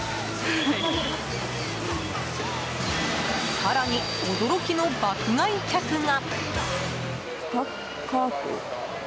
更に、驚きの爆買い客が。